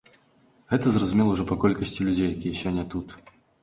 Гэта зразумела ўжо па колькасці людзей, якія сёння тут.